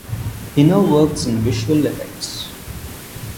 He now works in Visual Effects.